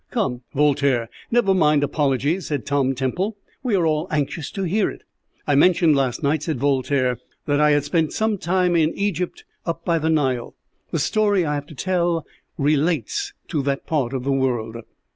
"Come, Voltaire, never mind apologies," said Tom Temple; "we are all anxious to hear it." "I mentioned last night," said Voltaire, "that I had spent some time in Egypt up by the Nile. The story I have to tell relates to that part of the world.